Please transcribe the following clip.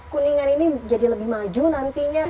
kuningan ini jadi lebih maju nantinya